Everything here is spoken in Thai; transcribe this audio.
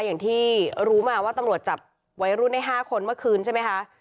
อย่างที่รู้มาว่าตำรวจจับวัยรุ่นได้๕คนเมื่อคืนใช่ไหมคะ